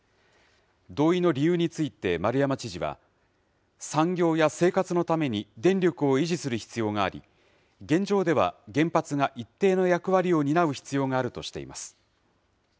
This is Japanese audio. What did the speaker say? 同意の理由について、丸山知事は、産業や生活のために、電力を維持する必要があり、現状では、原発が一定の役割を担う必要があるとしています。